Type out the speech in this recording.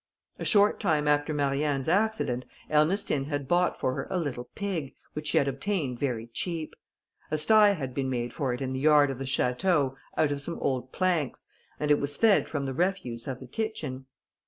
A short time after Marianne's accident, Ernestine had bought for her a little pig, which she had obtained very cheap. A sty had been made for it in the yard of the château, out of some old planks, and it was fed from the refuse of the kitchen.